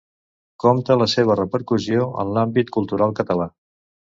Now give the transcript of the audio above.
Compte la seva repercussió en l'àmbit cultural català.